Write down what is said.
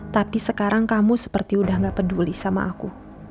tapi sekarang kamu seperti udah gak peduli sama aku